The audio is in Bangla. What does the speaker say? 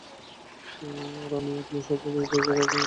আর আমি জানি আপনারা এই ভয় অনেক আগেই দূর করে ফেলেছেন।